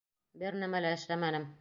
Бер нәмә лә эшләмәнем!